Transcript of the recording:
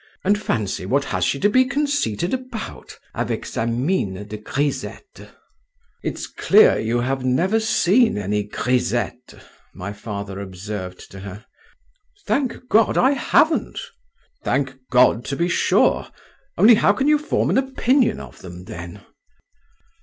"And fancy, what she has to be conceited about, avec sa mine de grisette!" "It's clear you have never seen any grisettes," my father observed to her. "Thank God, I haven't!" "Thank God, to be sure … only how can you form an opinion of them, then?"